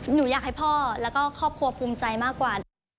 หนูอยากให้พ่อแล้วก็ครอบครัวภูมิใจมากกว่า